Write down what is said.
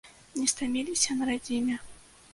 Не стаміліся на радзіме?